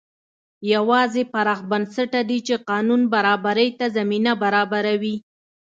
یوازې پراخ بنسټه دي چې قانون برابرۍ ته زمینه برابروي.